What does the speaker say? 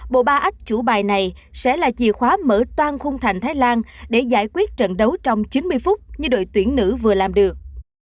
bộ ba ách chủ bài này sẽ là chìa khóa mở toan khung thành thái lan để giải quyết trận đấu trong chín mươi phút như đội tuyển nữ vừa làm được